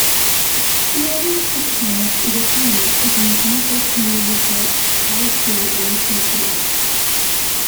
The Order of St.Thomas is autonomous within the Interfaith Community Church, Lcocci.